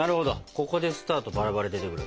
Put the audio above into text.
ここでスタートバラバラ出てくる。